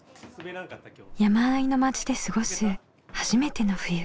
山あいの町で過ごす初めての冬。